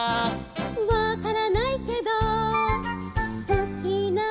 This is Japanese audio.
「わからないけどすきなんだ」